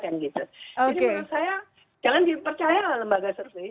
jadi menurut saya jangan dipercaya lah lembaga survei